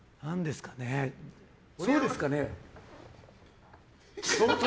そうですかね？